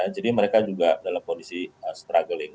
jadi mereka juga dalam kondisi struggling